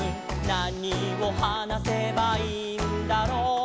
「なにをはなせばいいんだろう？」